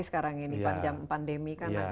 sekarang ini pandemi kan ada